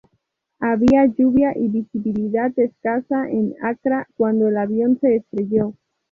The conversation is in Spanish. Había lluvia y visibilidad escasa en Accra cuando el avión se estrelló.